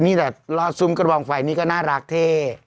นี่แหละซุ่มกระบองไฟนี่ก็น่ารักเท่